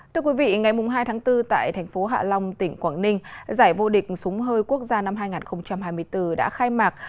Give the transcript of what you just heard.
thưa quý vị ngày hai tháng bốn tại thành phố hạ long tỉnh quảng ninh giải vô địch súng hơi quốc gia năm hai nghìn hai mươi bốn đã khai mạc